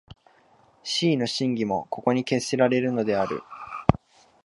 思惟の真偽もここに決せられるのである。